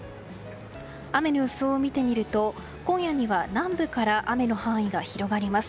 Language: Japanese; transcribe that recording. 雨の予想を見てみると今夜には南部から雨の範囲が広がります。